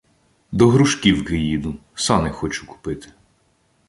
— До Грушківки їду, сани хочу купити.